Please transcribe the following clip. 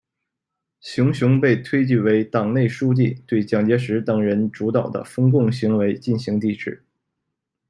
熊雄被推举为党团书记，对蒋介石等人主导的分共行为进行抵制。